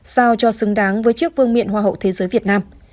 sao cho xứng đáng với chiếc vương miện hoa hậu thế giới việt nam